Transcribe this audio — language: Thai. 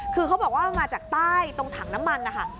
คือเขาบอกว่ามาจากใต้ตรงถังน้ำมันนะคะ